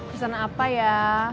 pesen apa ya